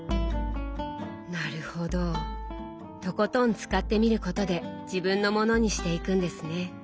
なるほどとことん使ってみることで自分のものにしていくんですね。